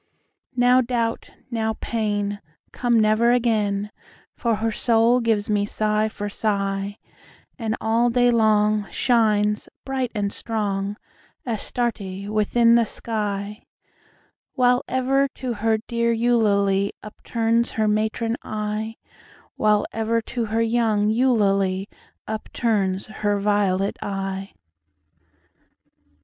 Now Doubt now Pain Come never again, For her soul gives me sigh for sigh, And all day long Shines, bright and strong, Astarte within the sky, While ever to her dear Eulalie upturns her matron eye While ever to her young Eulalie upturns her violet eye.